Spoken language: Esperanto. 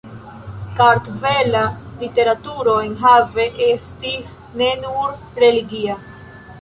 Kartvela literaturo enhave estis ne nur religia.